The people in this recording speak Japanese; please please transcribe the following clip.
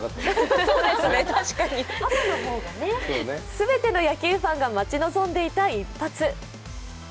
全ての野球ファンが待ち望んでいた一発。